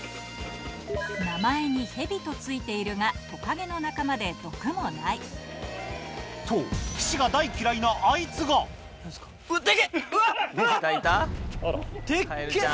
名前に「ヘビ」と付いているがトカゲの仲間で毒もないと岸が大嫌いなあいつがでっけ！